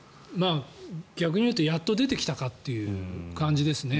逆に言うとやっと出てきたという感じですね。